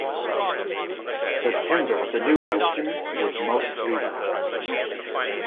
The timbre of the new instrument was most pleasing.